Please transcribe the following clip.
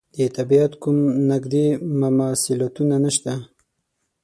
د طبعیت کوم نږدې مماثلاتونه نشته.